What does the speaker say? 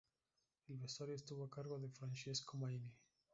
El vestuario estuvo a cargo de Francesco Maini.